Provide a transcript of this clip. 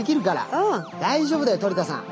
大丈夫だよトリ田さん！